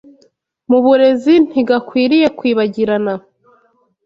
mu burezi ntigakwiriye kwibagirana